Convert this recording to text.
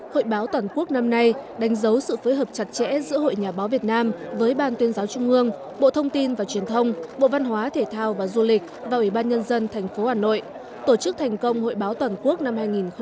hội báo toàn quốc năm nay đánh dấu sự phối hợp chặt chẽ giữa hội nhà báo việt nam với ban tuyên giáo trung ương bộ thông tin và truyền thông bộ văn hóa thể thao và du lịch và ủy ban nhân dân tp hà nội tổ chức thành công hội báo toàn quốc năm hai nghìn một mươi chín